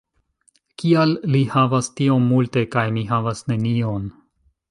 Kial li havas tiom multe kaj mi havas nenion?